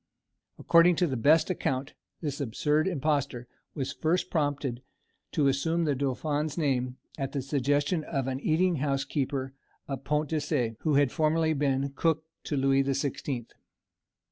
According to the best account, this absurd impostor was first prompted to assume the dauphin's name at the suggestion of an eating house keeper of Pont de Cé, who had formerly been cook to Louis the Sixteenth.